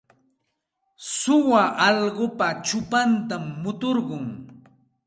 Suwa allqupa chupantam muturqun.